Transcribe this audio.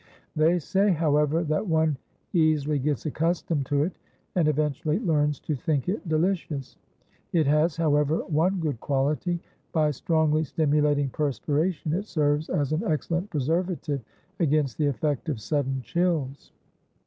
They say, however, that one easily gets accustomed to it, and eventually learns to think it delicious. It has, however, one good quality. By strongly stimulating perspiration it serves as an excellent preservative against the effect of sudden chills.